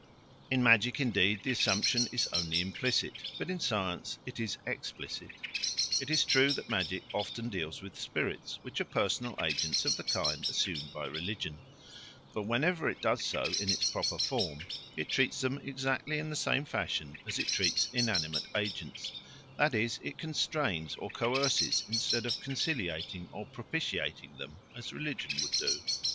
In magic, indeed, the assumption is only implicit, but in science it is explicit. It is true that magic often deals with spirits, which are personal agents of the kind assumed by religion; but whenever it does so in its proper form, it treats them exactly in the same fashion as it treats inanimate agents, that is, it constrains or coerces instead of conciliating or propitiating them as religion would do.